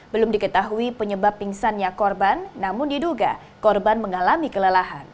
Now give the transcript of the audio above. belum diketahui penyebab pingsannya korban namun diduga korban mengalami kelelahan